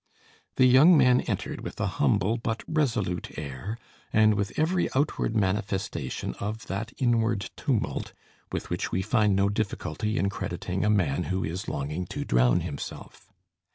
The young man entered with an humble, but resolute air, and with every outward manifestation of that inward tumult with which we find no difficulty in crediting a man who is longing to drown himself.